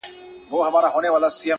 تور یم! موړ یمه د ژوند له خرمستیو!